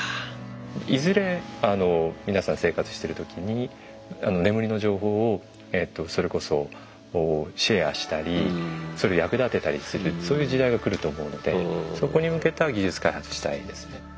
いずれ皆さん生活してる時に眠りの情報をそれこそシェアしたりそれを役立てたりするそういう時代が来ると思うのでそこに向けた技術開発したいですね。